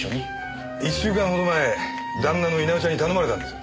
１週間ほど前旦那の稲尾ちゃんに頼まれたんです。